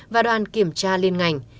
và đoàn kiểm tra liên ngành